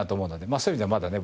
そういう意味ではまだね